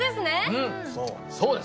うんそうです。